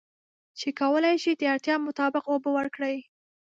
چې کولی شي د اړتیا مطابق اوبه ورکړي.